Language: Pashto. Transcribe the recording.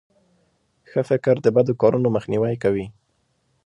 ښه فکر د بدو کارونو مخنیوی کوي.